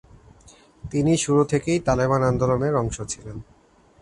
তিনি শুরু থেকেই তালেবান আন্দোলনের অংশ ছিলেন।